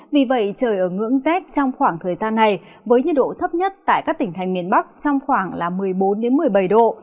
vì vậy trời ở ngưỡng rét trong khoảng thời gian này với nhiệt độ thấp nhất tại các tỉnh thành miền bắc trong khoảng một mươi bốn một mươi bảy độ